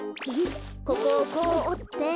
ここをこうおって。